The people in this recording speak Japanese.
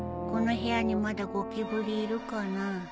この部屋にまだゴキブリいるかな？